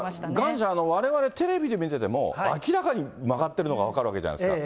岩ちゃん、われわれがテレビで見てても、明らかに曲がってるのが分かるわけじゃないですか。